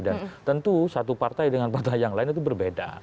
dan tentu satu partai dengan partai yang lain itu berbeda